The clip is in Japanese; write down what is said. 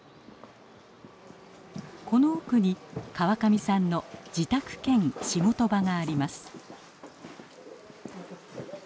この奥に川上さんの自宅兼仕事場があります。